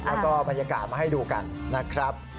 แล้วก็บรรยากาศมาให้ดูกันนะครับ